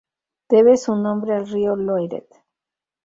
Debe su nombre al río Loiret.